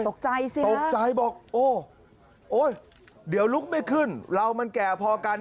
ตกใจสิตกใจบอกโอ้โอ๊ยเดี๋ยวลุกไม่ขึ้นเรามันแก่พอกัน